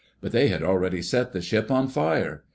But they had already set the ship on fire.